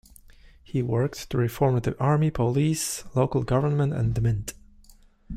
He worked to reform the army, police, local government and the mint.